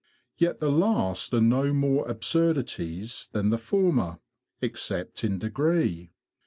Yet the last are no more absurdities than the former, except in degree.